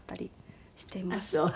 あっそう。